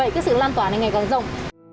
cái sự lan tỏa này ngày càng rộng